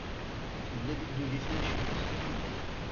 Iḥemmel ad iddu di tmacint.